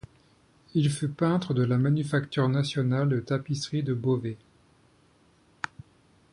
Il fut peintre de la Manufacture nationale de Tapisseries de Beauvais.